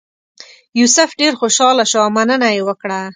یوسف ډېر خوشاله شو او مننه یې وکړه.